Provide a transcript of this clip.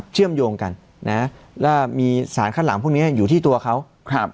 เชื่อมโยงกันแล้วมีศาลคัดหลังพวกนี้อยู่ที่ตัวเขา